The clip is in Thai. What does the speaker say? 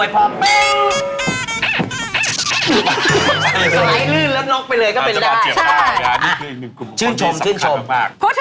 พี่เก่งเอา